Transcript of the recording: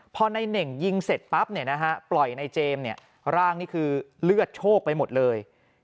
พอในเน่งยิงเสร็จปั๊บเนี่ยนะฮะปล่อยในเจมส์ร่างนี่คือเลือดโชคไปหมดเลย